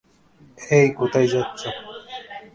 এই, কোথায় যাচ্ছো?